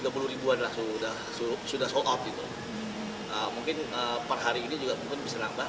mungkin per hari ini bisa nambah